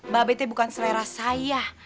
babe tuh bukan selera saya